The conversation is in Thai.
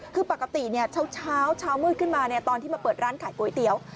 คือปกติเนี่ยเช้าเช้าเมื่อขึ้นมาเนี่ยตอนที่มาเปิดร้านขายก๋วยเตี๋ยว